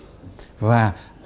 các ngành nghề cụ thể